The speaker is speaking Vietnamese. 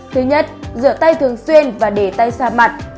thứ nhất rửa tay thường xuyên và để tay xa mặt